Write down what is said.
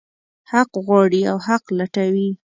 حق غواړي او حق لټوي.